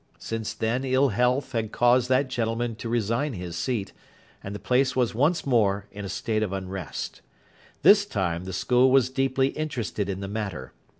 Since then ill health had caused that gentleman to resign his seat, and the place was once more in a state of unrest. This time the school was deeply interested in the matter.